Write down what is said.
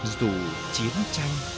dù chiến tranh